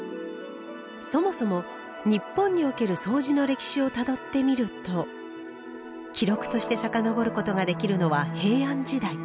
そもそも日本におけるそうじの歴史をたどってみると記録として遡ることができるのは平安時代。